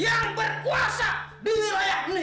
yang berkuasa di wilayah ini